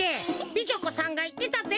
美女子さんがいってたぜ。